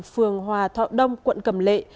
phường hòa thọ đông quận cầm lệ